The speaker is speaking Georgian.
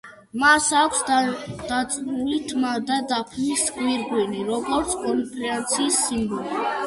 მას აქვს დაწნული თმა და დაფნის გვირგვინი როგორც კონფედერაციის სიმბოლო.